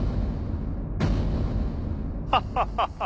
「ハハハ」